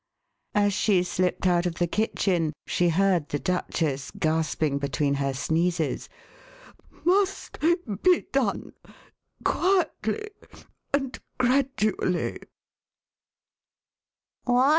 As she slipped out of the kitchen she heard the Duchess gasping Alice at Lambeth between her sneezes, Must ... be done quietly ... and ... gradually."